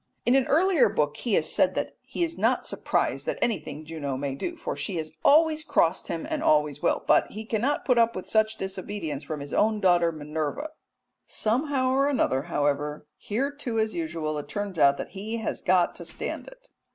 In an earlier book he has said that he is not surprised at anything Juno may do, for she always has crossed him and always will; but he cannot put up with such disobedience from his own daughter Minerva. Somehow or another, however, here too as usual it turns out that he has got to stand it.